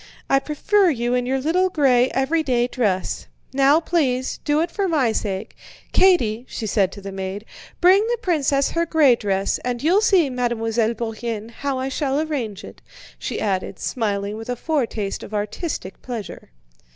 I prefer you in your little gray everyday dress. Now please, do it for my sake. Katie," she said to the maid, "bring the princess her gray dress, and you'll see, Mademoiselle Bourienne, how I shall arrange it," she added, smiling with a foretaste of artistic pleasure.